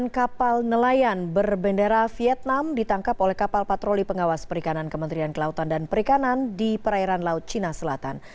delapan kapal nelayan berbendera vietnam ditangkap oleh kapal patroli pengawas perikanan kementerian kelautan dan perikanan di perairan laut cina selatan